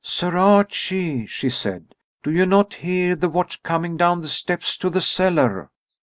"Sir Archie," she said, "do you not hear the watch coming down the steps to the cellar?"